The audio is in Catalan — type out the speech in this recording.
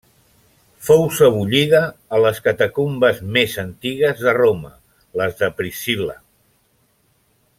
Fou sebollida a les catacumbes més antigues de Roma, les de Priscil·la.